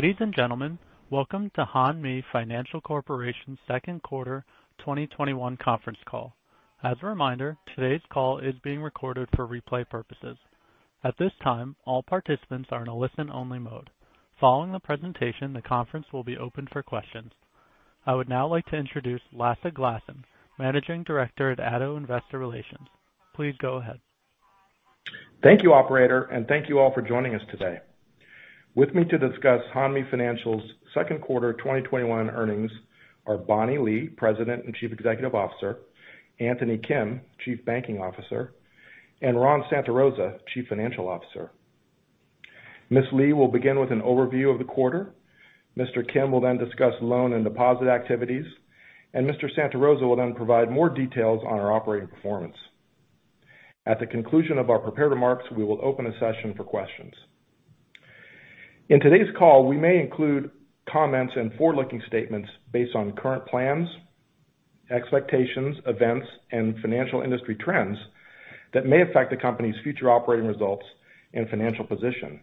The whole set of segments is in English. Ladies and gentlemen, welcome to Hanmi Financial Corporation's second quarter 2021 conference call. As a reminder, today's call is being recorded for replay purposes. At this time, all participants are in a listen-only mode. Following the presentation, the conference will be open for questions. I would now like to introduce Lasse Glassen, Managing Director at Addo Investor Relations. Please go ahead. Thank you, operator, and thank you all for joining us today. With me to discuss Hanmi Financial's second quarter 2021 earnings are Bonita Lee, President and Chief Executive Officer, Anthony Kim, Chief Banking Officer, and Romolo Santarosa, Chief Financial Officer. Ms. Lee will begin with an overview of the quarter, Mr. Kim will then discuss loan and deposit activities, and Mr. Santarosa will then provide more details on our operating performance. At the conclusion of our prepared remarks, we will open a session for questions. In today's call, we may include comments and forward-looking statements based on current plans, expectations, events, and financial industry trends that may affect the company's future operating results and financial position.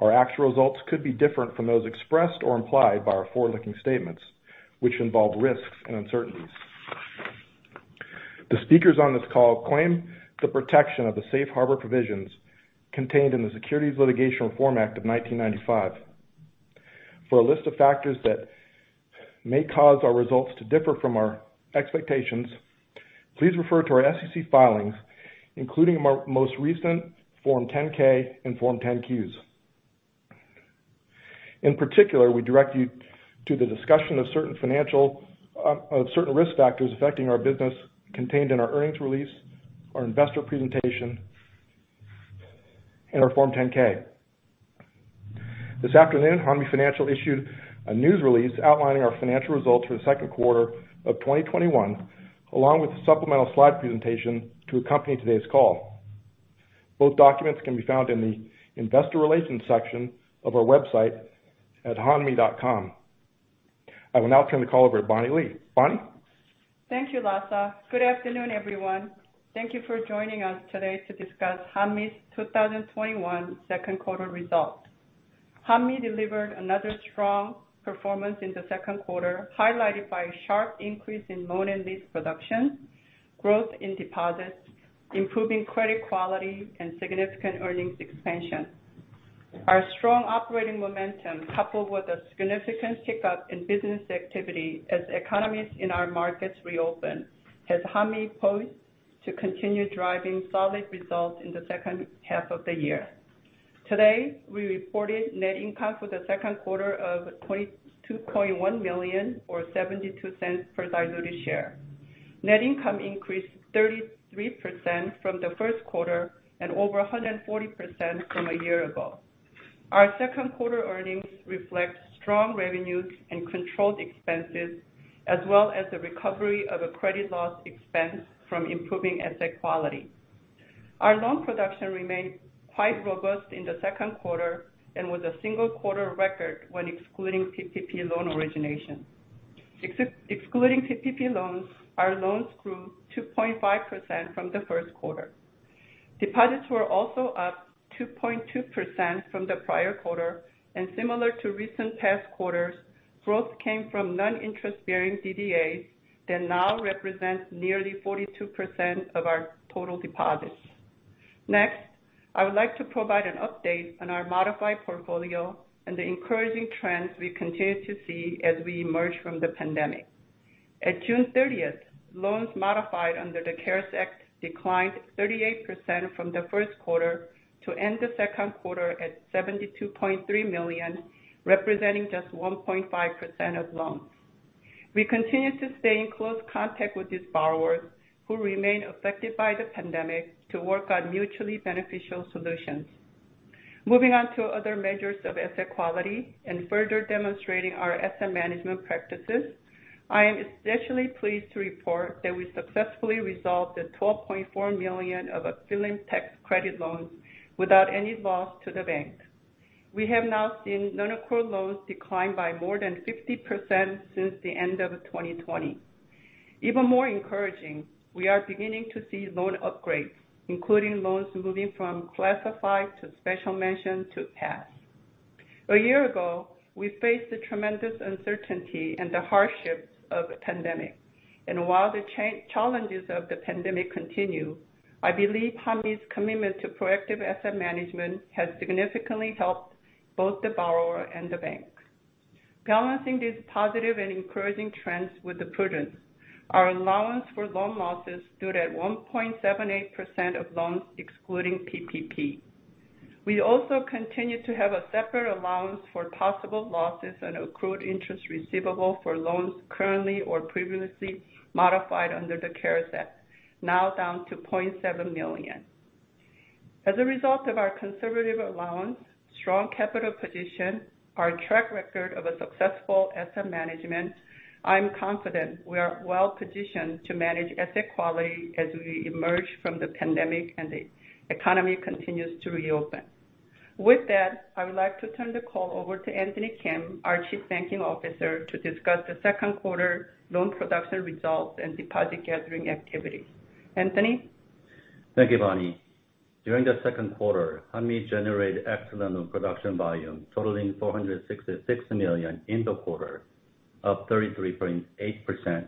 Our actual results could be different from those expressed or implied by our forward-looking statements, which involve risks and uncertainties. The speakers on this call claim the protection of the safe harbor provisions contained in the Private Securities Litigation Reform Act of 1995. For a list of factors that may cause our results to differ from our expectations, please refer to our SEC filings, including our most recent Form 10-K and Form 10-Qs. In particular, we direct you to the discussion of certain risk factors affecting our business contained in our earnings release, our investor presentation, and our Form 10-K. This afternoon, Hanmi Financial issued a news release outlining our financial results for the second quarter of 2021, along with a supplemental slide presentation to accompany today's call. Both documents can be found in the investor relations section of our website at hanmi.com. I will now turn the call over to Bonita Lee. Bonita? Thank you, Lasse. Good afternoon, everyone. Thank you for joining us today to discuss Hanmi's 2021 second quarter results. Hanmi delivered another strong performance in the second quarter, highlighted by a sharp increase in loan and lease production, growth in deposits, improving credit quality, and significant earnings expansion. Our strong operating momentum, coupled with a significant tick-up in business activity as economies in our markets reopen, has Hanmi poised to continue driving solid results in the second half of the year. Today, we reported net income for the second quarter of $22.1 million or $0.72 per diluted share. Net income increased 33% from the first quarter and over 140% from a year ago. Our second quarter earnings reflect strong revenues and controlled expenses, as well as the recovery of a credit loss expense from improving asset quality. Our loan production remained quite robust in the second quarter and was a single-quarter record when excluding PPP loan origination. Excluding PPP loans, our loans grew 2.5% from the first quarter. Deposits were also up 2.2% from the prior quarter, and similar to recent past quarters, growth came from non-interest-bearing DDAs that now represent nearly 42% of our total deposits. I would like to provide an update on our modified portfolio and the encouraging trends we continue to see as we emerge from the pandemic. At June 30th, loans modified under the CARES Act declined 38% from the first quarter to end the second quarter at $72.3 million, representing just 1.5% of loans. We continue to stay in close contact with these borrowers who remain affected by the pandemic to work on mutually beneficial solutions. Moving on to other measures of asset quality and further demonstrating our asset management practices, I am especially pleased to report that we successfully resolved the $12.4 million of affiliate tax credit loans without any loss to the bank. We have now seen non-accrual loans decline by more than 50% since the end of 2020. Even more encouraging, we are beginning to see loan upgrades, including loans moving from classified to special mention to pass. A year ago, we faced the tremendous uncertainty and the hardships of a pandemic. While the challenges of the pandemic continue, I believe Hanmi's commitment to proactive asset management has significantly helped both the borrower and the bank. Balancing these positive and encouraging trends with the prudence, our allowance for loan losses stood at 1.78% of loans excluding PPP. We also continue to have a separate allowance for possible losses on accrued interest receivable for loans currently or previously modified under the CARES Act, now down to $0.7 million. As a result of our conservative allowance, strong capital position, our track record of a successful asset management, I'm confident we are well-positioned to manage asset quality as we emerge from the pandemic and the economy continues to reopen. With that, I would like to turn the call over to Anthony Kim, our Chief Banking Officer, to discuss the second quarter loan production results and deposit gathering activities. Anthony? Thank you, Bonita Lee. During the second quarter, Hanmi generated excellent loan production volume totaling $466 million in the quarter, up 33.8%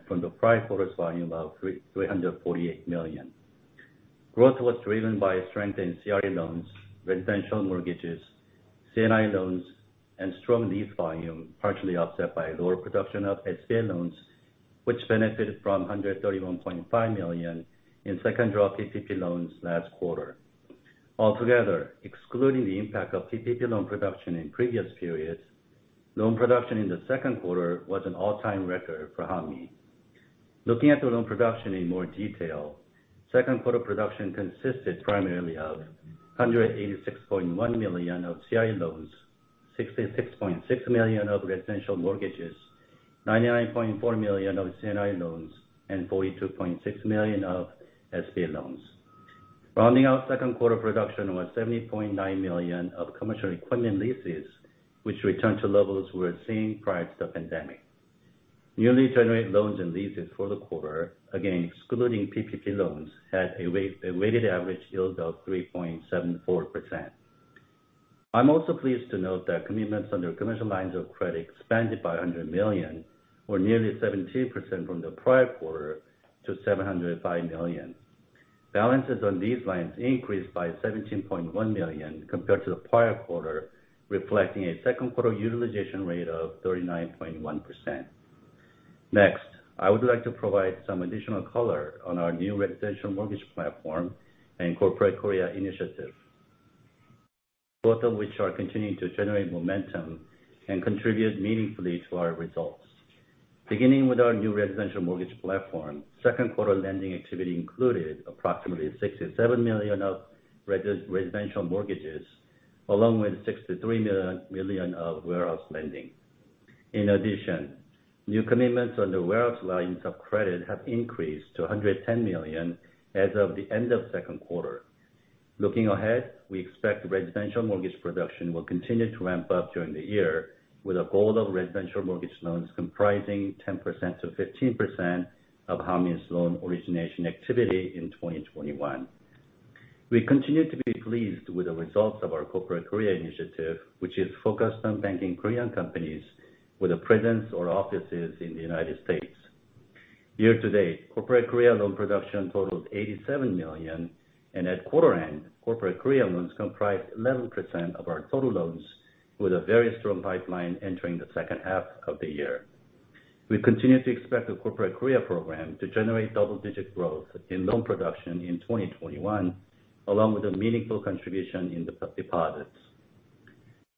from the prior quarter's volume of $348 million. Growth was driven by a strength in CRE loans, residential mortgages, C&I loans, and strong lease volume, partially offset by lower production of SBA loans, which benefited from $131.5 million in second draw PPP loans last quarter. Altogether, excluding the impact of PPP loan production in previous periods, loan production in the second quarter was an all-time record for Hanmi. Looking at the loan production in more detail, second quarter production consisted primarily of $186.1 million of CRE loans, $66.6 million of residential mortgages, $99.4 million of C&I loans, and $42.6 million of SBA loans. Rounding out second quarter production was $70.9 million of commercial equipment leases, which returned to levels we were seeing prior to the pandemic. Newly generated loans and leases for the quarter, again, excluding PPP loans, had a weighted average yield of 3.74%. I'm also pleased to note that commitments under commercial lines of credit expanded by $100 million, or nearly 17% from the prior quarter, to $705 million. Balances on these lines increased by $17.1 million compared to the prior quarter, reflecting a second quarter utilization rate of 39.1%. Next, I would like to provide some additional color on our new residential mortgage platform and Corporate Korea initiative, both of which are continuing to generate momentum and contribute meaningfully to our results. Beginning with our new residential mortgage platform, second quarter lending activity included approximately $67 million of residential mortgages, along with $63 million of warehouse lending. In addition, new commitments under warehouse lines of credit have increased to $110 million as of the end of second quarter. Looking ahead, we expect residential mortgage production will continue to ramp up during the year with a goal of residential mortgage loans comprising 10%-15% of Hanmi's loan origination activity in 2021. We continue to be pleased with the results of our Corporate Korea initiative, which is focused on banking Korean companies with a presence or offices in the United States. Year-to-date, Corporate Korea loan production totaled $87 million, and at quarter end, Corporate Korea loans comprised 11% of our total loans with a very strong pipeline entering the second half of the year. We continue to expect the Corporate Korea program to generate double-digit growth in loan production in 2021, along with a meaningful contribution in deposits.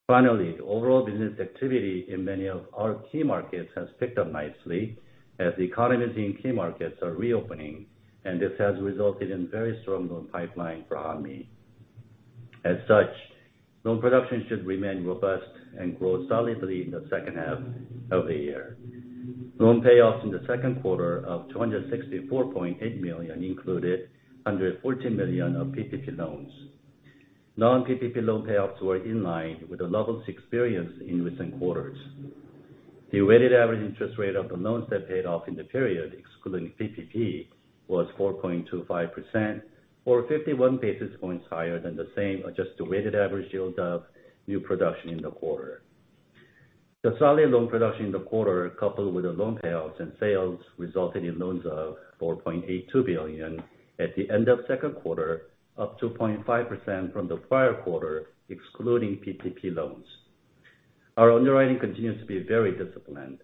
Finally, overall business activity in many of our key markets has picked up nicely as the economies in key markets are reopening, and this has resulted in very strong loan pipeline for Hanmi. As such, loan production should remain robust and grow solidly in the second half of the year. Loan payoffs in the second quarter of $264.8 million included $114 million of PPP loans. Non-PPP loan payoffs were in line with the levels experienced in recent quarters. The weighted average interest rate of the loans that paid off in the period, excluding PPP, was 4.25%, or 51 basis points higher than the same adjusted weighted average yield of new production in the quarter. The solid loan production in the quarter, coupled with the loan payoffs and sales, resulted in loans of $4.82 billion at the end of second quarter, up 2.5% from the prior quarter, excluding PPP loans. Our underwriting continues to be very disciplined.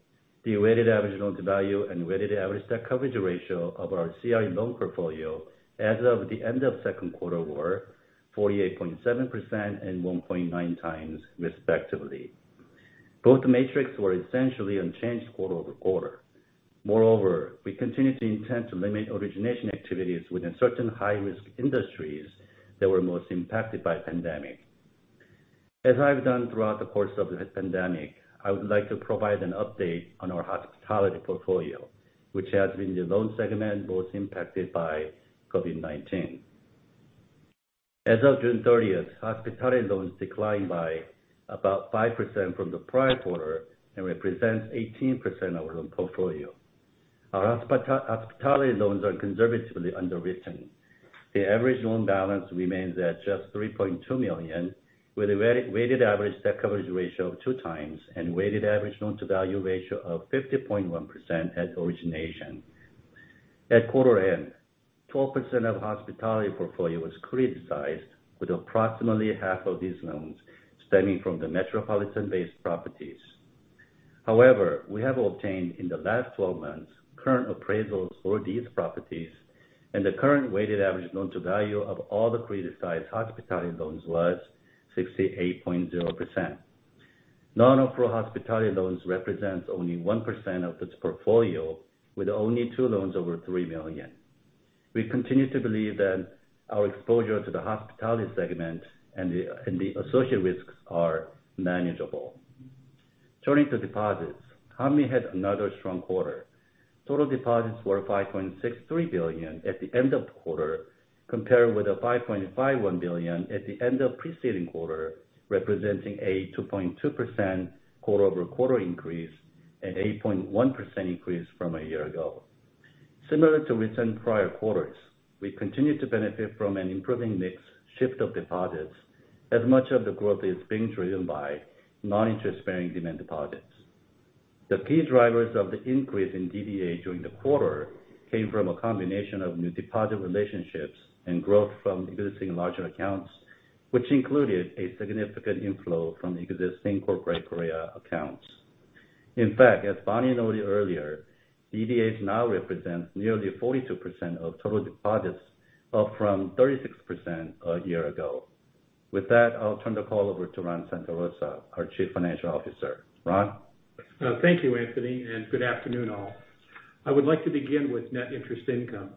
The weighted average loan-to-value and weighted average debt coverage ratio of our C&I loan portfolio as of the end of second quarter were 48.7% and 1.9 times respectively. Both metrics were essentially unchanged quarter-over-quarter. We continue to intend to limit origination activities within certain high-risk industries that were most impacted by the pandemic. As I've done throughout the course of the pandemic, I would like to provide an update on our hospitality portfolio, which has been the loan segment most impacted by COVID-19. As of June 30th, hospitality loans declined by about 5% from the prior quarter and represents 18% of our loan portfolio. Our hospitality loans are conservatively underwritten. The average loan balance remains at just $3.2 million, with a weighted average debt coverage ratio of two times and weighted average loan-to-value ratio of 50.1% at origination. At quarter end, 12% of the hospitality portfolio was criticized, with approximately half of these loans stemming from the metropolitan-based properties. However, we have obtained in the last 12 months current appraisals for these properties, and the current weighted average loan to value of all the criticized hospitality loans was 68.0%. Non-op hospitality loans represent only 1% of this portfolio, with only 2 loans over $3 million. We continue to believe that our exposure to the hospitality segment and the associated risks are manageable. Turning to deposits, Hanmi had another strong quarter. Total deposits were $5.63 billion at the end of the quarter, compared with $5.51 billion at the end of the preceding quarter, representing a 2.2% quarter-over-quarter increase. An 8.1% increase from a year-ago. Similar to recent prior quarters, we continued to benefit from an improving mix shift of deposits as much of the growth is being driven by non-interest-bearing demand deposits. The key drivers of the increase in DDA during the quarter came from a combination of new deposit relationships and growth from existing larger accounts, which included a significant inflow from existing Corporate Korea accounts. In fact, as Bonita Lee noted earlier, DDAs now represents nearly 42% of total deposits, up from 36% a year-ago. With that, I'll turn the call over to Romolo Santarosa, our Chief Financial Officer. Romolo? Thank you, Anthony, and good afternoon all. I would like to begin with net interest income.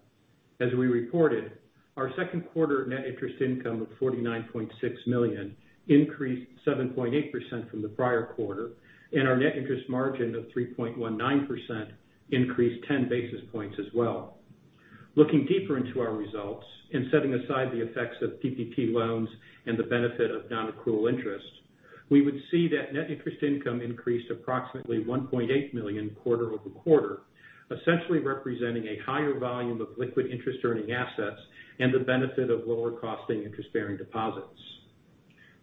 As we reported, our second quarter net interest income of $49.6 million increased 7.8% from the prior quarter, and our net interest margin of 3.19% increased 10 basis points as well. Looking deeper into our results, and setting aside the effects of PPP loans and the benefit of non-accrual interest, we would see that net interest income increased approximately $1.8 million quarter-over-quarter, essentially representing a higher volume of liquid interest earning assets and the benefit of lower costing interest-bearing deposits.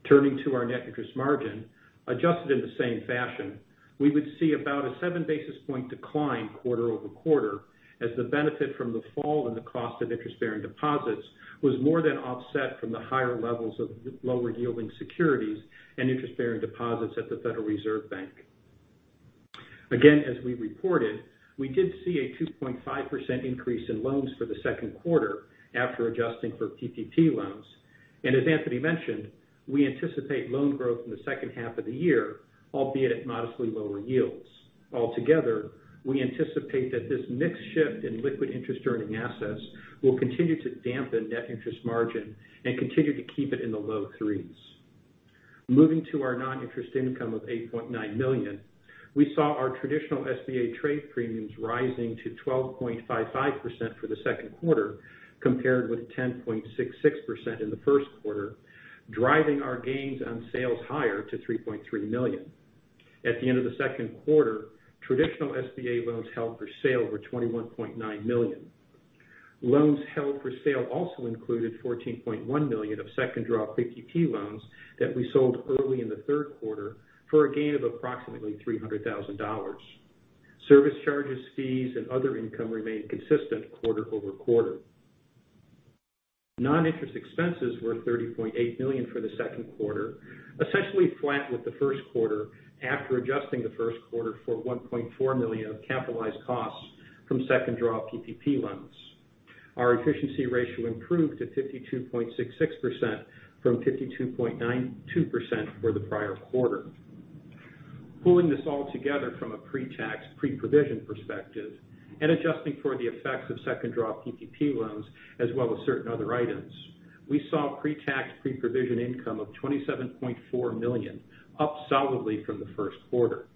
Turning to our net interest margin, adjusted in the same fashion, we would see about a 7 basis point decline quarter-over-quarter as the benefit from the fall in the cost of interest-bearing deposits was more than offset from the higher levels of lower yielding securities and interest-bearing deposits at the Federal Reserve Bank. Again, as we reported, we did see a 2.5% increase in loans for the second quarter after adjusting for PPP loans. As Anthony mentioned, we anticipate loan growth in the second half of the year, albeit at modestly lower yields. Altogether, we anticipate that this mix shift in liquid interest earning assets will continue to dampen net interest margin and continue to keep it in the low threes. Moving to our non-interest income of $8.9 million, we saw our traditional SBA trade premiums rising to 12.55% for the second quarter, compared with 10.66% in the first quarter, driving our gains on sales higher to $3.3 million. At the end of the second quarter, traditional SBA loans held for sale were $21.9 million. Loans held for sale also included $14.1 million of second draw PPP loans that we sold early in the third quarter for a gain of approximately $300,000. Service charges, fees, and other income remained consistent quarter-over-quarter. Non-interest expenses were $30.8 million for the second quarter, essentially flat with the first quarter after adjusting the first quarter for $1.4 million of capitalized costs from second draw PPP loans. Our efficiency ratio improved to 52.66% from 52.92% for the prior quarter. Pulling this all together from a pre-tax, pre-provision perspective and adjusting for the effects of second draw PPP loans as well as certain other items, we saw pre-tax, pre-provision income of $27.4 million, up solidly from the first quarter.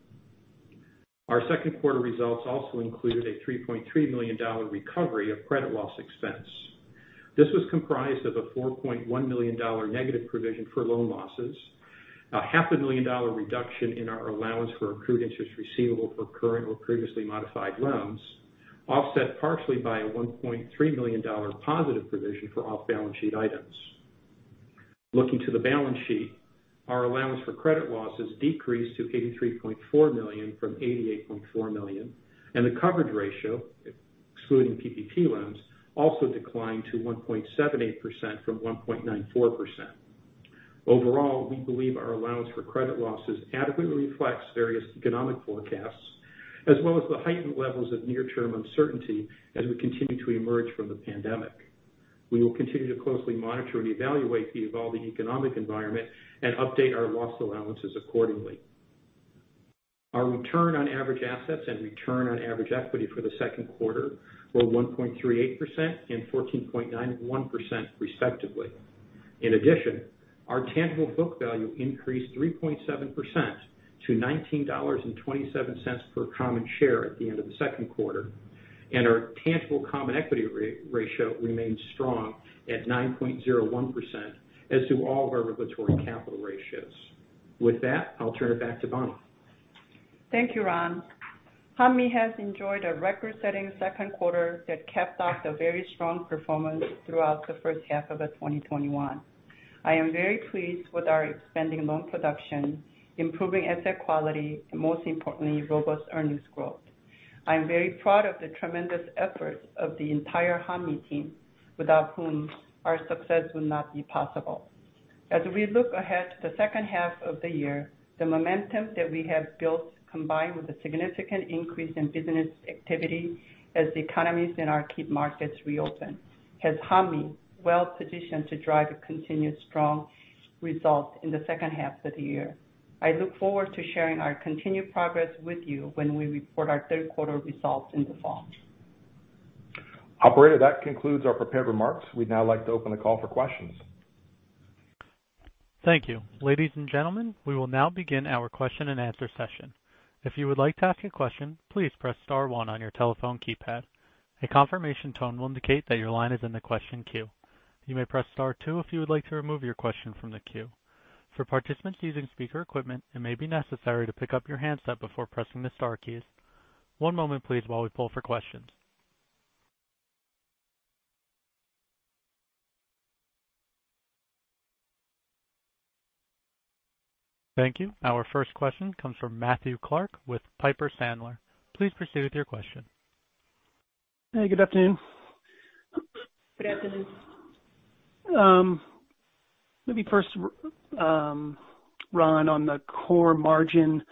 Our second quarter results also included a $3.3 million recovery of credit loss expense. This was comprised of a $4.1 million negative provision for loan losses, a half a million dollar reduction in our allowance for accrued interest receivable for current or previously modified loans, offset partially by a $1.3 million positive provision for off-balance sheet items. Looking to the balance sheet, our allowance for credit losses decreased to $83.4 million from $88.4 million, and the coverage ratio, excluding PPP loans, also declined to 1.78% from 1.94%. Overall, we believe our allowance for credit losses adequately reflects various economic forecasts as well as the heightened levels of near-term uncertainty as we continue to emerge from the pandemic. We will continue to closely monitor and evaluate the evolving economic environment and update our loss allowances accordingly. Our return on average assets and return on average equity for the second quarter were 1.38% and 14.91% respectively. In addition, our tangible book value increased 3.7% to $19.27 per common share at the end of the second quarter, and our tangible common equity ratio remains strong at 9.01%, as do all of our regulatory capital ratios. With that, I'll turn it back to Bonita. Thank you, Romolo. Hanmi has enjoyed a record-setting second quarter that capped off the very strong performance throughout the first half of 2021. I am very pleased with our expanding loan production, improving asset quality, and most importantly, robust earnings growth. I'm very proud of the tremendous efforts of the entire Hanmi team, without whom our success would not be possible. As we look ahead to the second half of the year, the momentum that we have built, combined with the significant increase in business activity as the economies in our key markets reopen, has Hanmi well-positioned to drive a continued strong result in the second half of the year. I look forward to sharing our continued progress with you when we report our third quarter results in the fall. Operator, that concludes our prepared remarks. We'd now like to open the call for questions. Thank you. Ladies and gentlemen, we will now begin our question and answer session. If you would like to ask a question, please press star one on your telephone keypad. A confirmation tone will indicate that your line is in the question queue. You may press star two if you would like to remove your question from the queue. For participants using speaker equipment, it may be necessary to pick up your handset before pressing the star keys. One moment please, while we poll for questions. Thank you. Our first question comes from Matthew Clark with Piper Sandler. Please proceed with your question. Hey, good afternoon. Good afternoon. Maybe first, Rom, on the core margin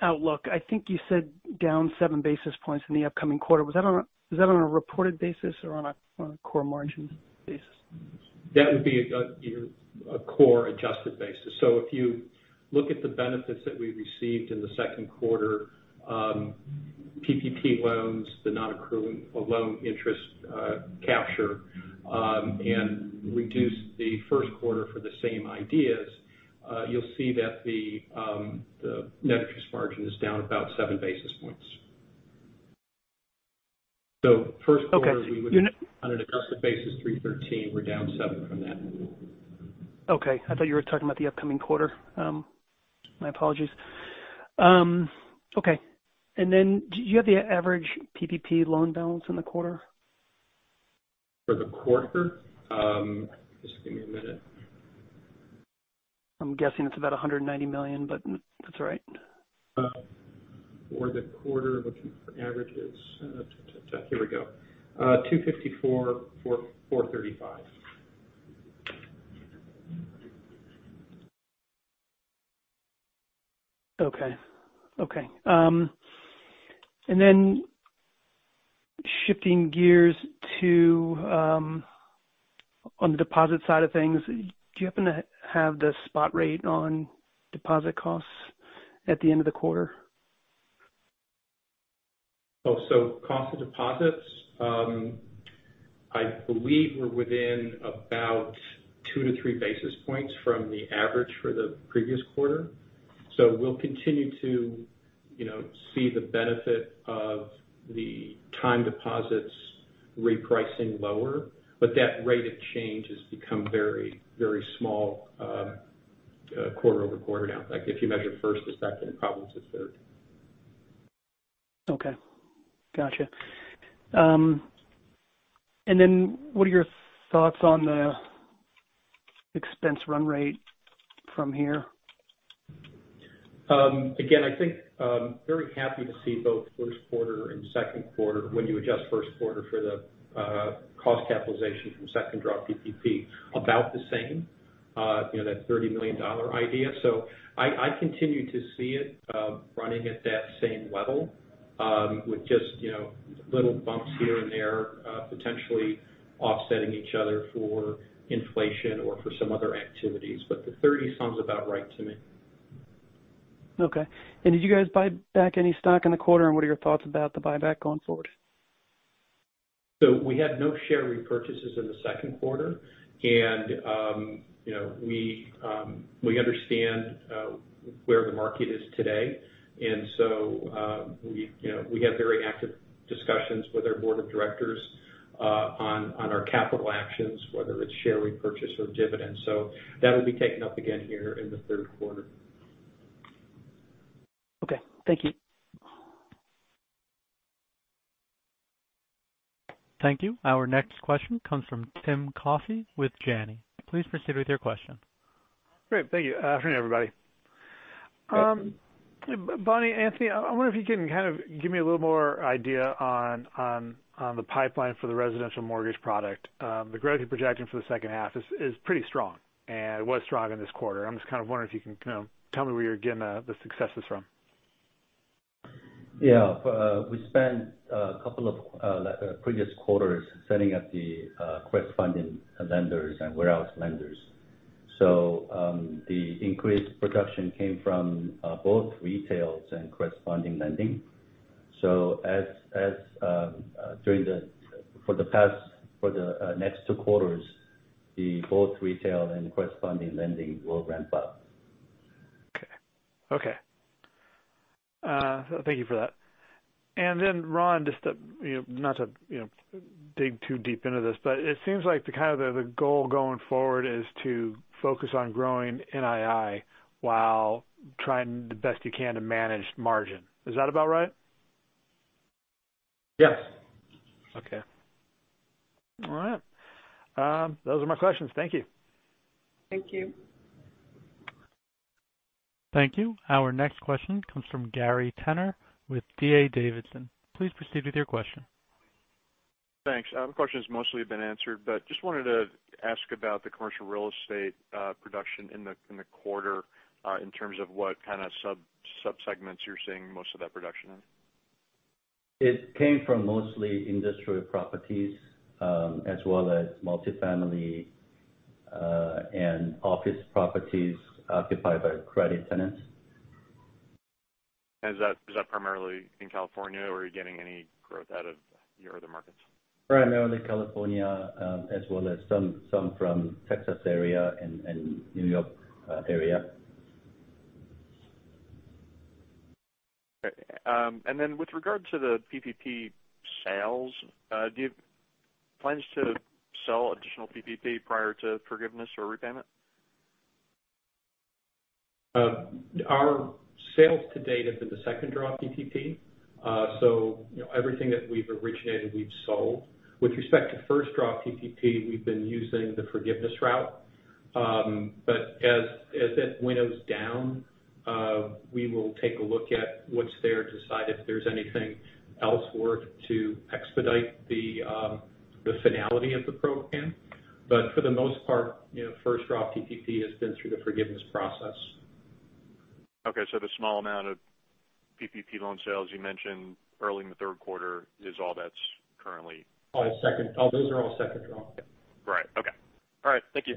outlook. I think you said down 7 basis points in the upcoming quarter. Is that on a reported basis or on a core margin basis? That would be a core adjusted basis. If you look at the benefits that we received in the second quarter, PPP loans, the non-accruing loan interest capture, and reduce the first quarter for the same ideas you'll see that the net interest margin is down about 7 basis points. Okay. We would on an adjusted basis, $313, we're down $7 from that. Okay. I thought you were talking about the upcoming quarter. My apologies. Okay. Do you have the average PPP loan balance in the quarter? For the quarter? Just give me a minute. I'm guessing it's about $190 million, but if that's right. For the quarter, looking for averages. Here we go. $254,435. Okay. Shifting gears to on the deposit side of things, do you happen to have the spot rate on deposit costs at the end of the quarter? Oh, cost of deposits. I believe we're within about two to three basis points from the average for the previous quarter. We'll continue to see the benefit of the time deposits repricing lower, but that rate of change has become very small quarter-over-quarter now. Like if you measure first is back end, probably since third. Okay. Gotcha. Then what are your thoughts on the expense run rate from here? I think I'm very happy to see both first quarter and second quarter when you adjust first quarter for the cost capitalization from second draw PPP about the same, that $30 million idea. I continue to see it running at that same level with just little bumps here and there potentially offsetting each other for inflation or for some other activities. The 30 sounds about right to me. Okay. Did you guys buy back any stock in the quarter and what are your thoughts about the buyback going forward? We had no share repurchases in the second quarter and we understand where the market is today. We have very active discussions with our board of directors on our capital actions, whether it's share repurchase or dividends. That'll be taken up again here in the third quarter. Okay. Thank you. Thank you. Our next question comes from Timothy Coffey with Janney. Please proceed with your question. Great. Thank you. Afternoon, everybody. Bonita Lee, Anthony Kim, I wonder if you can kind of give me a little more idea on the pipeline for the residential mortgage product. The growth you're projecting for the second half is pretty strong and was strong in this quarter. I'm just kind of wondering if you can tell me where you're getting the successes from. Yeah. We spent a couple of previous quarters setting up the corresponding lenders and warehouse lenders. The increased production came from both retail and corresponding lending. For the next 2 quarters, both retail and corresponding lending will ramp up. Okay. Thank you for that. Romolo, not to dig too deep into this, but it seems like the goal going forward is to focus on growing NII while trying the best you can to manage margin. Is that about right? Yes. Okay. All right. Those are my questions. Thank you. Thank you. Thank you. Our next question comes from Gary Tenner with D.A. Davidson. Please proceed with your question. Thanks. Question's mostly been answered, but just wanted to ask about the commercial real estate production in the quarter, in terms of what kind of sub-segments you're seeing most of that production in. It came from mostly industrial properties, as well as multifamily, and office properties occupied by credit tenants. Is that primarily in California or are you getting any growth out of your other markets? Primarily California, as well as some from Texas area and New York area. With regard to the PPP sales, do you have plans to sell additional PPP prior to forgiveness or repayment? Our sales to date have been the second draw of PPP. Everything that we've originated, we've sold. With respect to first draw PPP, we've been using the forgiveness route. As that winnows down, we will take a look at what's there, decide if there's anything else worth to expedite the finality of the program. For the most part, first draw PPP has been through the forgiveness process. Okay, the small amount of PPP loan sales you mentioned early in the third quarter is all that's currently. All the second. Those are all second draw. Right. Okay. All right. Thank you.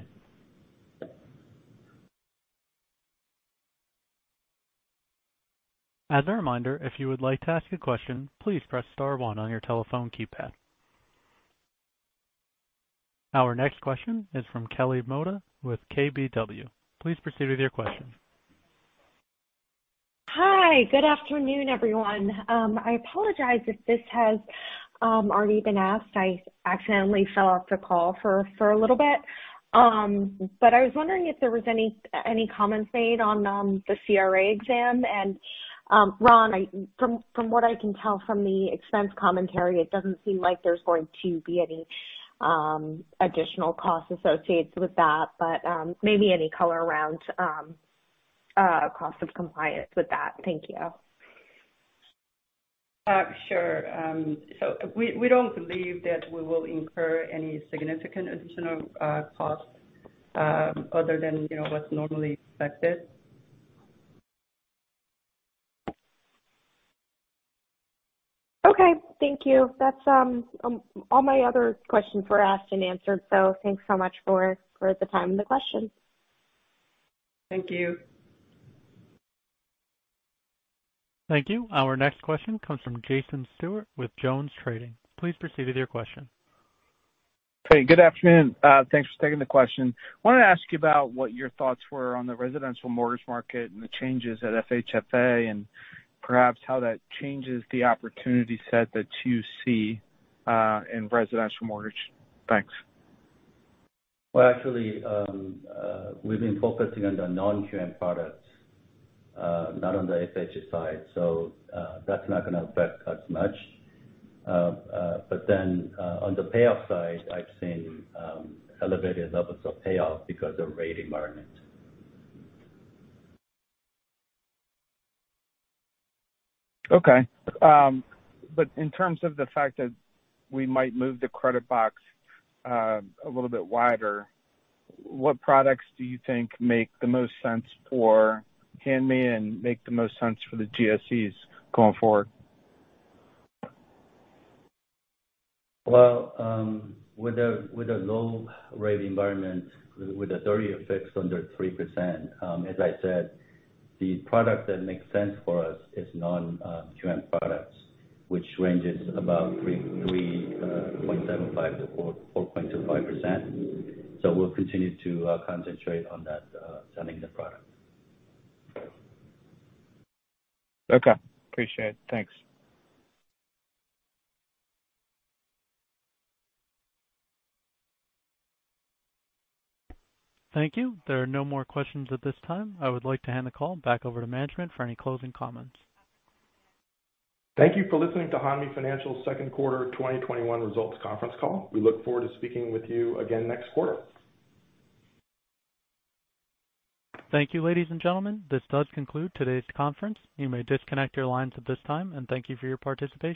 As a reminder, if you would like to ask a question, please press star one on your telephone keypad. Our next question is from Kelly Motta with KBW. Please proceed with your question. Hi. Good afternoon, everyone. I apologize if this has already been asked. I accidentally fell off the call for a little bit. I was wondering if there was any comments made on the CRA exam. Romolo Santarosa, from what I can tell from the expense commentary, it doesn't seem like there's going to be any additional costs associated with that, but maybe any color around cost of compliance with that. Thank you. Sure. We don't believe that we will incur any significant additional costs other than what's normally expected. Okay. Thank you. All my other questions were asked and answered, so thanks so much for the time and the question. Thank you. Thank you. Our next question comes from Jason Stewart with Jones Trading. Please proceed with your question. Hey, good afternoon. Thanks for taking the question. Wanted to ask you about what your thoughts were on the residential mortgage market and the changes at FHFA, and perhaps how that changes the opportunity set that you see in residential mortgage. Thanks. Well, actually, we've been focusing on the non-QM products, not on the FHA side. That's not going to affect us much. On the payoff side, I've seen elevated levels of payoff because of rate environment. Okay. In terms of the fact that we might move the credit box a little bit wider, what products do you think make the most sense for Hanmi and make the most sense for the GSEs going forward? Well, with a low rate environment with a 30-year fixed under 3%, as I said, the product that makes sense for us is non-QM products, which ranges about 3.75%-4.25%. We'll continue to concentrate on that, selling the product. Okay. Appreciate it. Thanks. Thank you. There are no more questions at this time. I would like to hand the call back over to management for any closing comments. Thank you for listening to Hanmi Financial's second quarter 2021 results conference call. We look forward to speaking with you again next quarter. Thank you, ladies and gentlemen. This does conclude today's conference. You may disconnect your lines at this time, and thank you for your participation.